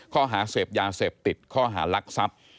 ข้อหาเสพยาเสพติดข้อหารักทรัพย์